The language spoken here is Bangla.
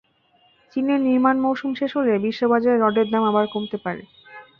চীনের নির্মাণ মৌসুম শেষ হলে বিশ্ববাজারে রডের দাম আবার কমতে পারে।